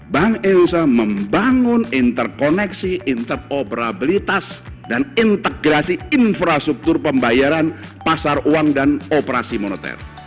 bank indonesia membangun interkoneksi interoperabilitas dan integrasi infrastruktur pembayaran pasar uang dan operasi moneter